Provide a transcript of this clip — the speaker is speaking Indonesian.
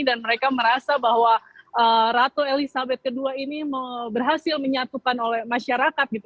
dan mereka merasa bahwa ratu elizabeth ii ini berhasil menyatukan oleh masyarakat